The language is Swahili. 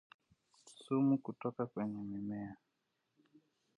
Sumu kutoka kwenye mimea